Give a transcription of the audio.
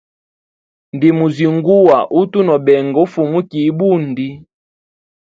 Ndimuzinguwa utu no benga ufuma mu kii ibundi.